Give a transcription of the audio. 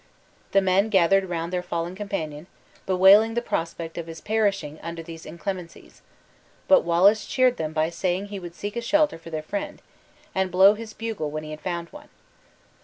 The men gathered round their fallen companion bewailing the prospect of his perishing under these inclemencies; but Wallace cheered them by saying he would seek a shelter for their friend, and blow his bugle when he had found one.